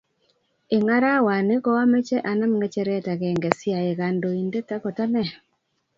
Eng arawat ni koameche anam kecheret agenge siaek kandoindet ako ane